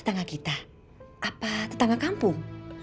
tengah kita apa tetangga kampung